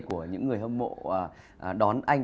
của những người hâm mộ đón anh